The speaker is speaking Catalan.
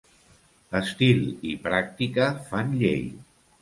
Estil i pràctica fan llei.